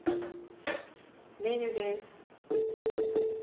メニューです。